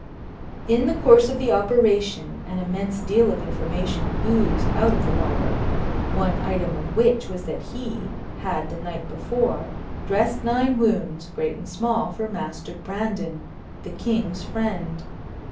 In the course of the operation, an immense deal of information oozed out of the barber, one item of which was that he had the night before dressed nine wounds, great and small, for Master Brandon, the king's friend.